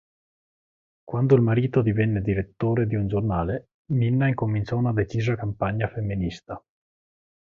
Quando il marito divenne direttore di un giornale, Minna incominciò una decisa campagna femminista.